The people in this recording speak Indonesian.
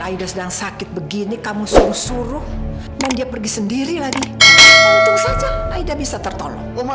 aida sedang sakit begini kamu suruh suruh dan dia pergi sendiri lagi itu saja aida bisa tertolong